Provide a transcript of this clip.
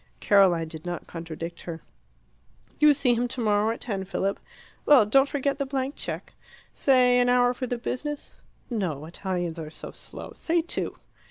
Caroline did not contradict her. "You see him tomorrow at ten, Philip. Well, don't forget the blank cheque. Say an hour for the business. No, Italians are so slow; say two.